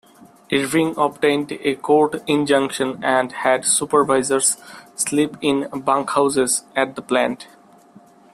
Irving obtained a court injunction, and had supervisors sleep in bunkhouses at the plant.